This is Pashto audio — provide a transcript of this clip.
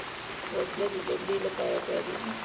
وسله د جګړې لپاره کارېږي